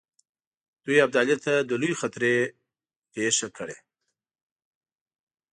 دوی ابدالي ته د لویې خطرې پېښه کړي.